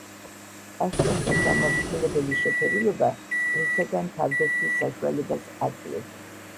კაშკაშა გამაფრთხილებელი შეფერილობა მტრისაგან თავდაცვის საშუალებას აძლევთ.